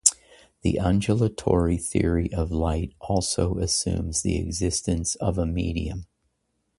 The undulatory theory of light also assumes the existence of a medium.